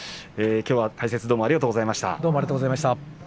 きょうの解説ありがとうございました。